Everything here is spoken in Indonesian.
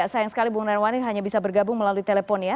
sayang sekali bung narwanin hanya bisa bergabung melalui telepon ya